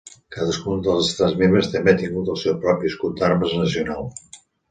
Cadascun dels estats membres també han tingut el seu propi escut d'armes nacional.